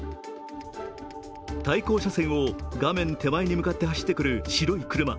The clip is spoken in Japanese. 対向車線を画面手前に向かって走ってくる白い車。